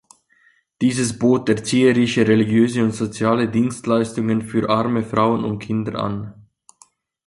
Dieses bot erzieherische, religiöse und soziale Dienstleistungen für arme Frauen und Kinder an.